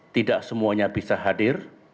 tidak semuanya bisa hadir